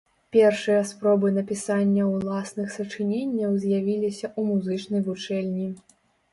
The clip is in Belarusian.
Першыя спробы напісання ўласных сачыненняў з'явіліся ў музычнай вучэльні.